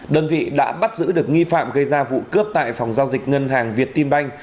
đơn vị đã bắt giữ được nghi phạm gây ra vụ cướp tại phòng giao dịch ngân hàng việt tiên banh